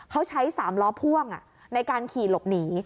เขาใช้๓ล้อพ่วงในการขี่หลบหนี